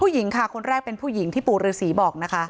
ผู้หญิงค่ะคนแรกเป็นผู้หญิงที่ปู่ฤษีบอกนะคะ